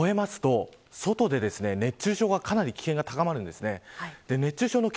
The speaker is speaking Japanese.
これ、５０％台を超えると外で熱中症がかなり危険が高まるんです。